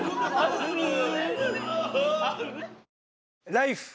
「ＬＩＦＥ！」